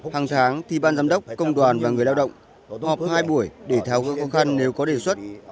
hàng tháng thì ban giám đốc công đoàn và người lao động họp hai buổi để tháo gỡ khó khăn nếu có đề xuất